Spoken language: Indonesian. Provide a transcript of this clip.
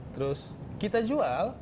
terus kita jual